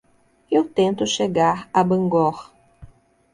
Eu tento chegar a Bangor.